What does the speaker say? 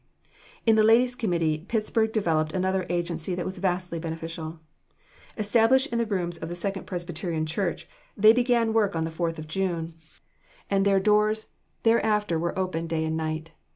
In the ladies' committee, Pittsburg developed another agency that was vastly beneficial. Established in rooms of the Second Presbyterian church, they began work on the 4th of June, and their doors thereafter were open day and night.